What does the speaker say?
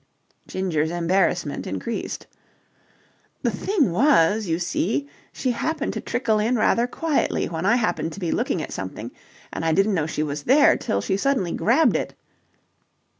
Ginger's embarrassment increased. "The thing was, you see, she happened to trickle in rather quietly when I happened to be looking at something, and I didn't know she was there till she suddenly grabbed it..."